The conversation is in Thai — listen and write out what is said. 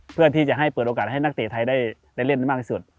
เพื่อที่จะให้เปิดโอกาสให้นักเตะไทยได้เล่นมากที่สุด